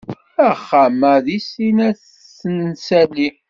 Axxam-a deg sin ad t-nsali.